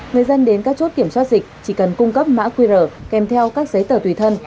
người dân đến các chốt kiểm soát dịch chỉ cần cung cấp mã qr kèm theo các giấy tờ tùy thân